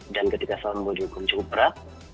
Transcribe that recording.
dan ketika sambo dihukum cukup berat